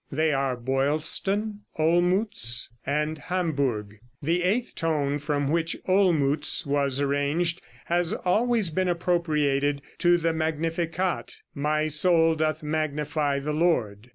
They are "Boylston," "Olmutz" and "Hamburg." The eighth tone, from which "Olmutz" was arranged, has always been appropriated to the Magnificat ("My Soul doth Magnify the Lord").